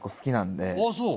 あっそう。